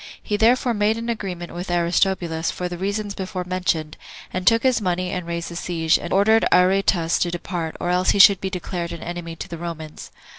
He therefore made an agreement with Aristobulus, for the reasons before mentioned, and took his money, and raised the siege, and ordered Aretas to depart, or else he should be declared an enemy to the Romans.